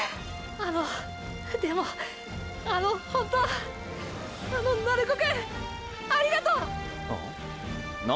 あのでもあのホントあの鳴子くんありがとう！！ん？